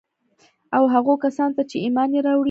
او هغو کسان ته چي ايمان ئې راوړى